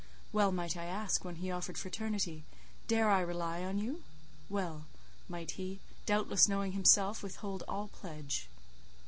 Well might I ask when he offered fraternity—"Dare I rely on you?" Well might he, doubtless knowing himself, withhold all pledge.